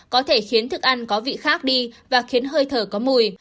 có thể khiến thức ăn có vị khác đi và khiến hơi thở có mùi